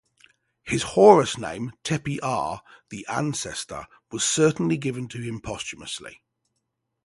His Horus name "Tepi-a", "The ancestor" was certainly given to him posthumously.